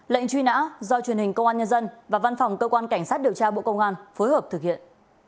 lệnh truy nã do truyền hình công an nhân dân và văn phòng cơ quan cảnh sát điều tra bộ công an phối hợp thực hiện